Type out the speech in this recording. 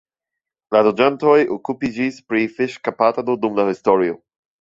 La loĝantoj okupiĝis pri fiŝkaptado dum la historio.